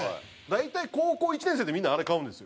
大体高校１年生でみんなあれ買うんですよ。